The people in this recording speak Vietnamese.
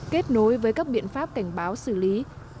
kết nối với các biện pháp cảnh báo xử lý